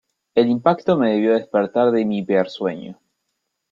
El impacto me debió despertar de mi hipersueño.